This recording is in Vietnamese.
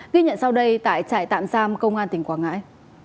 ghi nhận sau đây tại trại tạm giam công an tỉnh quảng ngãi